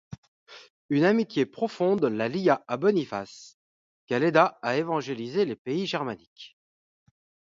Une amitié profonde la lia à Boniface, qu'elle aida à évangéliser les pays germaniques.